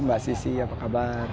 mbak sisi apa kabar